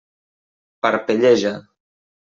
Parpelleja.